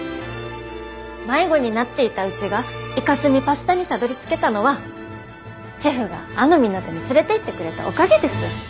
迷子になっていたうちがイカスミパスタにたどりつけたのはシェフがあの港に連れていってくれたおかげです！